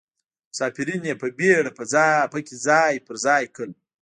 مسافرین یې په بیړه په کې ځای پر ځای کړل.